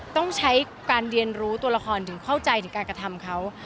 ต้องใช้การเรียนรู้ตัวละครถึงเข้าใจถึงการกระทำเขา